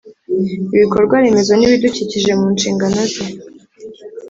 Ibikorwa remezo n ibidukikije mu nshingano ze